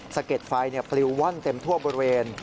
เก็ดไฟปลิวว่อนเต็มทั่วบริเวณ